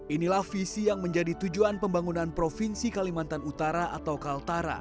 inilah visi yang menjadi tujuan pembangunan provinsi kalimantan utara atau kaltara